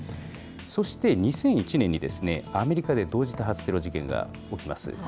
そして２００１年にアメリカで同時多発テロ事件が起きます。